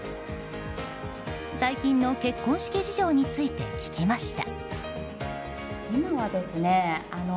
最近の結婚式事情について聞きました。